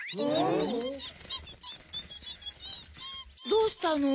どうしたの？